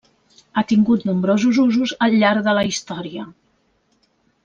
Ha tingut nombrosos usos al llarg de la història.